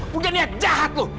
punya niat jahat lo